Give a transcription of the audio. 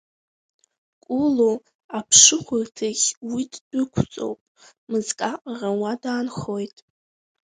Кулу аԥшыхәырҭахь уи ддәықәҵоуп, мызк аҟара уа даанхоит.